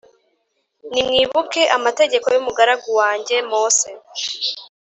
“Nimwibuke amategeko y’umugaragu wanjye Mose